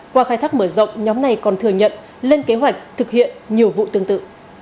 qua khai thác mở rộng nhóm này còn thừa nhận lên kế hoạch thực hiện nhiều vụ tương tự